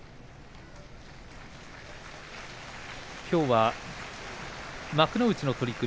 きょうは幕内の取組